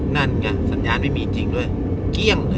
นั่นไงสัญญาณไม่มีจริงด้วยเกี้ยงเลย